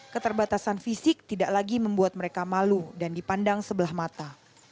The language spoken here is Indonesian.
keterbatasan fisik tidak lagi membuat mereka malu dan dipandang sebelah mata